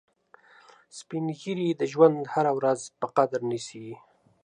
سپین ږیری د ژوند هره ورځ په قدر نیسي